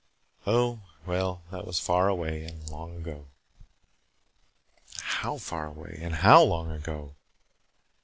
Oh, well, that was far away and long ago. How far away and how long ago!